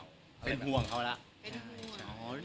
เป็นห่วงเขาแล้ว